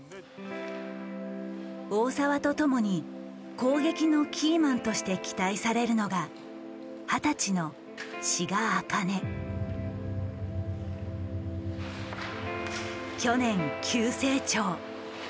大澤とともに攻撃のキーマンとして期待されるのが二十歳の去年急成長。